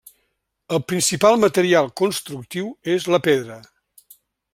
El principal material constructiu és la pedra.